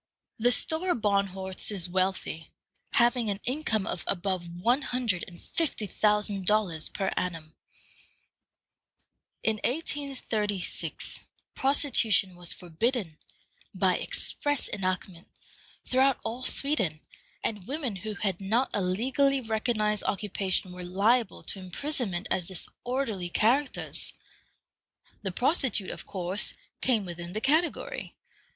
The Stora Barnhorst is wealthy, having an income of above one hundred and fifty thousand dollars per annum. In 1836, prostitution was forbidden, by express enactment, throughout all Sweden, and women who had not a legally recognized occupation were liable to imprisonment as disorderly characters. The prostitute, of course, came within the category.